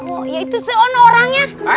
oh ya itu seorang orangnya